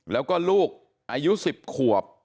แล้วก็ลูกอายุ๑๐ขวบ